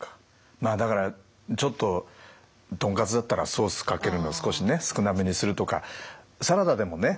まあだからちょっと豚カツだったらソースかけるの少し少なめにするとかサラダでもね